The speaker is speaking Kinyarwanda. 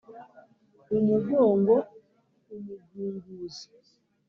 umugongo umugunguzi.